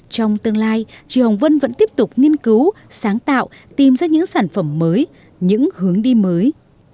trong tương lai trường hồng vân vẫn tiếp tục nghiên cứu sáng tạo tìm ra những sản phẩm mới những hướng đi mới